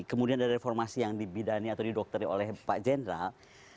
kemudian ada reformasi yang dibidani atau didokterin oleh pak jenderal